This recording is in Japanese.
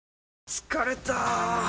疲れた！